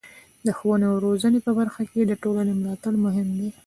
د ښوونې او روزنې په برخه کې د ټولنې ملاتړ مهم دی.